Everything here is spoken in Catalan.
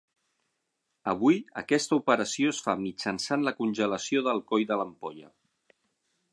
Avui aquesta operació es fa mitjançant la congelació del coll de l'ampolla.